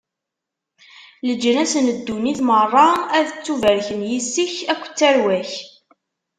Leǧnas n ddunit meṛṛa ad ttubarken yis-k akked tarwa-k.